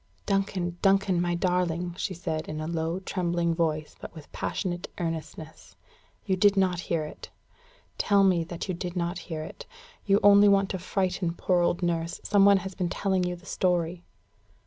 "Duncan, Duncan, my darling!" she said, in a low, trembling voice, but with passionate earnestness, "you did not hear it? Tell me that you did not hear it! You only want to frighten poor old nurse: some one has been telling you the story!"